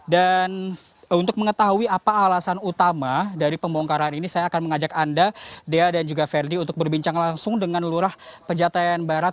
dan untuk mengetahui apa alasan utama dari pembongkaran ini saya akan mengajak anda dea dan juga ferdi untuk berbincang langsung dengan lurah pejataan barat